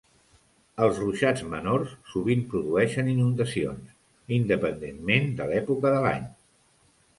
Els ruixats menors sovint produeixen inundacions, independentment de l'època de l'any.